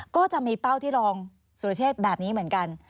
ก็จะมีเป้าที่รองสุรเชษฐ์แบบนี้เหมือนกัน